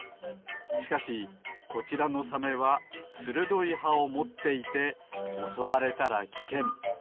しかしこちらのサメはするどいはをもっていておそわれたらきけん。